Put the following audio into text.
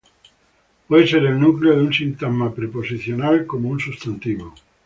Puede ser el núcleo de un sintagma preposicional, como un sustantivo.